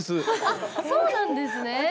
あっそうなんですね。